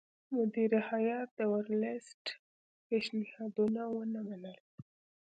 مدیره هیات د ورلسټ پېشنهادونه ونه منل.